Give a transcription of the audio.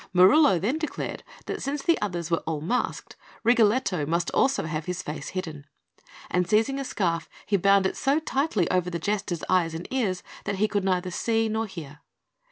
Marullo then declared that since the others were all masked, Rigoletto must also have his face hidden; and seizing a scarf, he bound it so tightly over the Jester's eyes and ears, that he could neither see nor hear.